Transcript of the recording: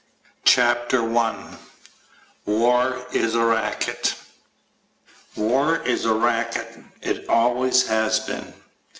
CHAPTER ONE War Is A Racket WAR is a racket. It always has been.